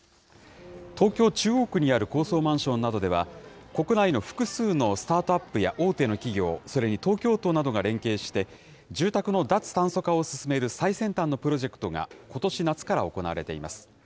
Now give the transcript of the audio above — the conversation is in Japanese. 東京・中央区にある高層マンションなどでは、国内の複数のスタートアップや大手の企業、それに東京都などが連携して、住宅の脱炭素化を進める最先端のプロジェクトがことし夏から行われています。